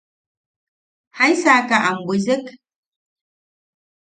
¿Jaisaka am bwisek?